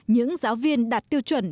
những giáo viên đặt tiêu chuẩn